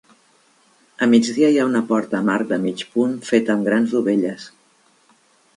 A migdia hi ha una porta amb arc de mig punt feta amb grans dovelles.